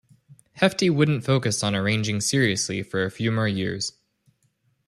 Hefti wouldn't focus on arranging seriously for a few more years.